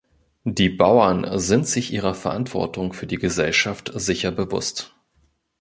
Die Bauern sind sich ihrer Verantwortung für die Gesellschaft sicher bewusst.